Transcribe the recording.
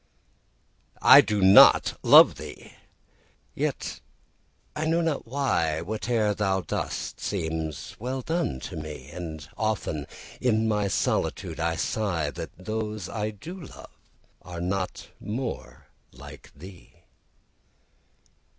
I do not love thee!—yet, I know not why, 5 Whate'er thou dost seems still well done, to me: And often in my solitude I sigh That those I do love are not more like thee!